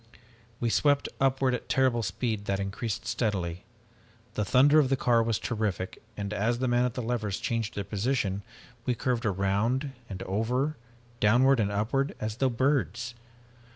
"We swept upward at terrible speed that increased steadily. The thunder of the car was terrific, and, as the man at the levers changed their position, we curved around and over downward and upward as though birds.